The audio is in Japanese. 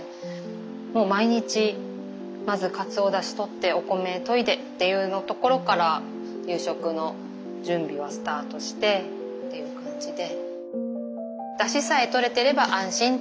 もう毎日まずかつおだしとってお米といでっていうところから夕食の準備はスタートしてっていう感じで。